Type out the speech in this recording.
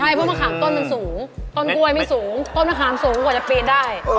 ใช่เพราะมะขามต้นมันสูงต้นกล้วยไม่สูงต้นมะขามสูงกว่าจะปีนได้